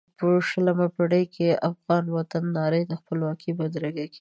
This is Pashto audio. په شلمه پېړۍ کې د افغان وطن نارې د خپلواکۍ بدرګه کېدې.